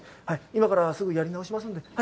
はい今からすぐやり直しますんで。